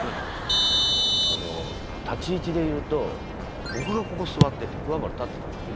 立ち位置でいうと僕がここ座ってて桑原立ってたんです。